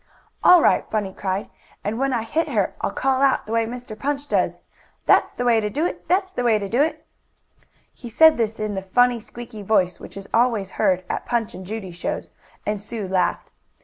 "All right," Bunny cried. "And when I hit her I'll call out, the way Mr. Punch does: 'That's the way to do it! That's the way I do it!'" He said this in the funny, squeaky voice which is always heard at Punch and Judy shows, and Sue laughed.